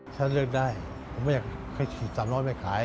ฉันเลือกได้ผมไม่อยากให้สี่สามร้อยไม่ขาย